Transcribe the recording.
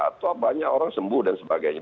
atau banyak orang sembuh dan sebagainya